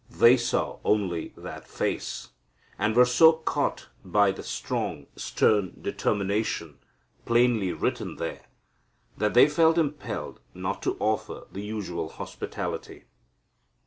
They saw only that face, and were so caught by the strong, stern determination plainly written there that they felt impelled not to offer the usual hospitality.